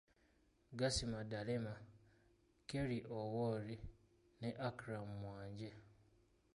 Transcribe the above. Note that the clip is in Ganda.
Gasi Madalema, Kerry Owori ne Akram Mwanje.